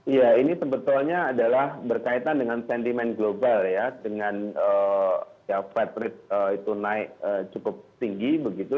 ya ini sebetulnya adalah berkaitan dengan sentimen global ya dengan ya fat rate itu naik cukup tinggi begitu